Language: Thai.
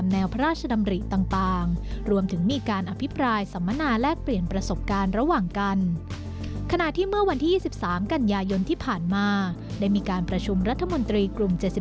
ในปัญญายนที่ผ่านมาได้มีการประชุมรัฐมนตรีกลุ่ม๗๗